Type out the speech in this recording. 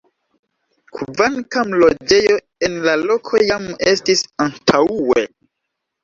Kvankam loĝejo en la loko jam estis antaŭe.